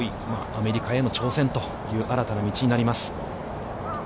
アメリカへの挑戦、という新たな道になります。